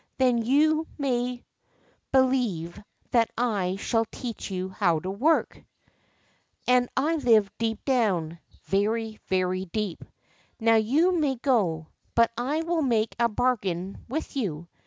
Then you may believe that I shall teach you how to work ! and I live deep down — very, very deep ! Now you may go ; but I will make a bargain with you.